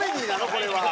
これは。